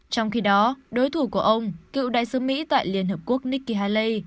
trong khi đó đối thủ của ông cựu đại sứ mỹ tại liên hợp quốc nikki haley